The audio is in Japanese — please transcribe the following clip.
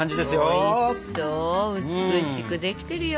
おいしそう美しくできてるよ！